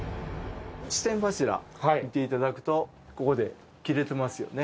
四天柱見て頂くとここで切れてますよね。